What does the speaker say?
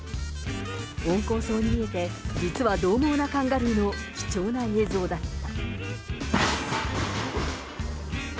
温厚そうに見えて、実はどうもうなカンガルーの貴重な映像だった。